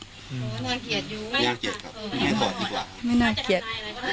ไม่น่าเกลียดครับให้ถอดดีกว่าไม่น่าเกลียด